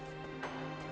dia juga menangis